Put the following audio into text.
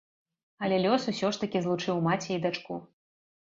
Але лёс усё ж такі злучыў маці і дачку.